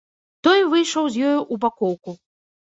Той выйшаў з ёю ў бакоўку.